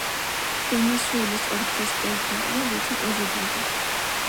ვენესუელის ორგზის პრეზიდენტი და ვიცე-პრეზიდენტი.